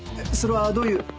それはどういう。